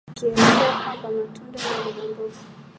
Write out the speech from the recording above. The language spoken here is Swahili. akielezea kwamba matunda na mbogamboga